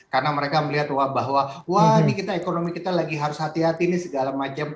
karena mereka melihat bahwa wah ini kita ekonomi kita lagi harus hati hati nih segala macam